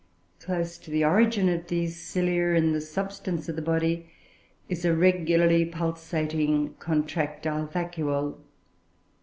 Close to the origin of these cilia, in the substance of the body, is a regularly pulsating, contractile vacuole.